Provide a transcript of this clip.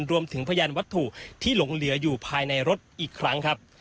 พยานวัตถุที่หลงเหลืออยู่ภายในรถอีกครั้งครับ